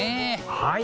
はい。